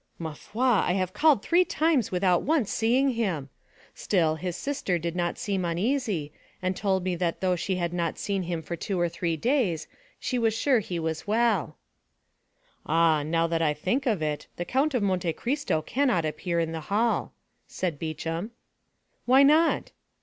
"Ma foi, I have called three times without once seeing him. Still, his sister did not seem uneasy, and told me that though she had not seen him for two or three days, she was sure he was well." "Ah, now I think of it, the Count of Monte Cristo cannot appear in the hall," said Beauchamp. "Why not?"